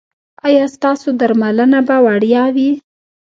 ایا ستاسو درملنه به وړیا وي؟